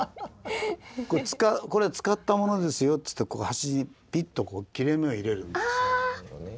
これは使ったものですよっつってこう端ピッとこう切れ目を入れるんですよ。